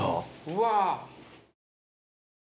うわ。